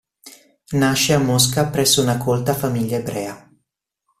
Nasce a Mosca presso una colta famiglia ebrea.